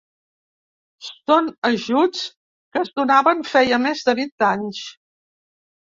Són ajuts que es donaven feia més de vint anys.